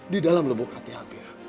di dalam lebuk hati afif